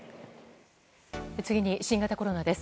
次に新型コロナです。